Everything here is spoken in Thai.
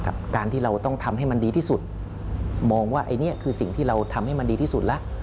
กับการที่เราต้องทำให้มันดีที่สุดมองว่าไอ้เนี้ยคือสิ่งที่เราทำให้มันดีที่สุดแล้ว